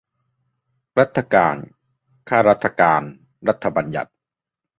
รัฐการ ข้ารัฐการ รัฐบัญญัติ